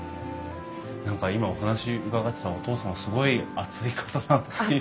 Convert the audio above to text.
何か今お話伺ってたらお父さんすごい熱い方だなあって。